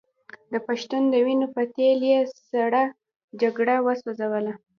د پښتون د وینو په تېل یې سړه جګړه وسوځوله.